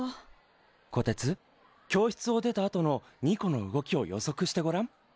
こてつ教室を出たあとのニコの動きを予測してごらん。